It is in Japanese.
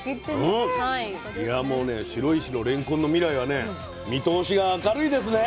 いやもうね白石のれんこんの未来はね見通しが明るいですね。